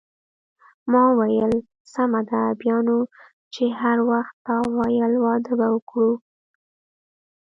ما وویل: سمه ده، بیا نو چې هر وخت تا وویل واده به وکړو.